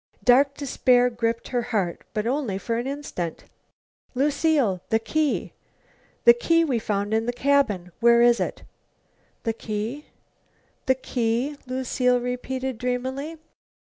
Dark despair gripped her heart. But only for an instant. "Lucile, the key! The key we found in the cabin! Where is it?" "The key the key?" Lucile repeated dreamily.